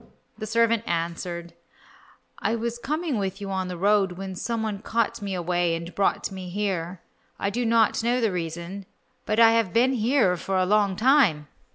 The servant answered, "I was coming with you on the road when some one caught me away and brought me here. I did not know the reason, but I have been here for a long time."